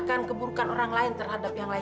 jangan sok main jadi putri